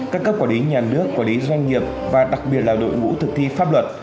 các cấp quản lý nhà nước quản lý doanh nghiệp và đặc biệt là đội ngũ thực thi pháp luật